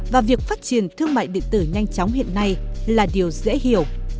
và việc phát triển thương mại điện tử nhanh chóng hiện nay là điều dễ hiểu